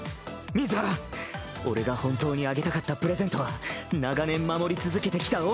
水原俺が本当にあげたかったプレゼントは長年守り続けてきた俺のチェリー。